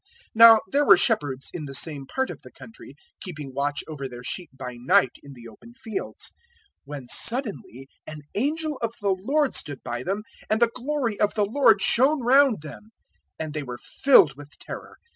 002:008 Now there were shepherds in the same part of the country, keeping watch over their sheep by night in the open fields, 002:009 when suddenly an angel of the Lord stood by them, and the glory of the Lord shone round them; and they were filled with terror.